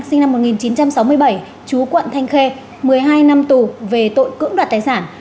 sinh năm một nghìn chín trăm sáu mươi bảy chú quận thanh khê một mươi hai năm tù về tội cưỡng đoạt tài sản